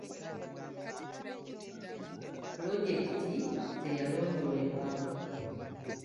Pulojekiti teyalondoolebwa.